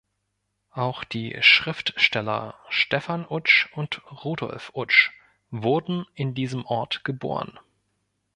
Auch die Schriftsteller Stefan Utsch und Rudolf Utsch wurden in diesem Ort geboren.